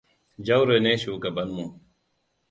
Jauro ne shugaban mu.